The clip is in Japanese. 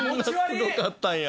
こんなすごかったんや。